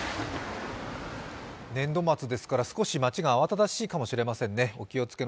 年度末ですから少し街が慌ただしいかもしれませんね。